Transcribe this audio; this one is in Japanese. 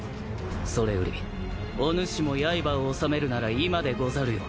それよりおぬしもやいばを収めるなら今でござるよ。